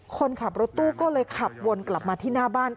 คนขับรถตู้ก็เลยขับวนกลับมาที่หน้าบ้าน